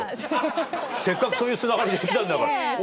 せっかくそういうつながりできたんだから。